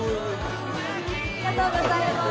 ありがとうございます。